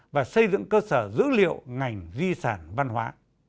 và xây dựng cơ sở dữ liệu ngành di sản văn hóa